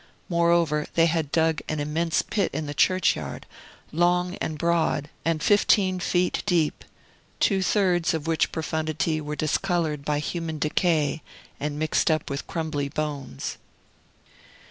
Moreover, they had dug an immense pit in the churchyard, long and broad, and fifteen feet deep, two thirds of which profundity were discolored by human decay, and mixed up with crumbly bones.